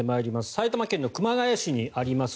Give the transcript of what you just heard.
埼玉県の熊谷市にあります